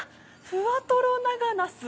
「ふわとろ長ナス」。